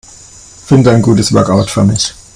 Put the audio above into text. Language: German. Finde ein gutes Workout für mich.